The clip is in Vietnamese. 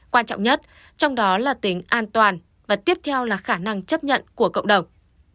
quan trọng nhất trong đó là tính an toàn và tiếp theo là khả năng chấp nhận của cộng đồng